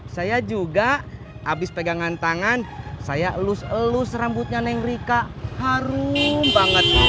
saya juga abis pegangan tangan saya elus elus rambutnya neng rika harum banget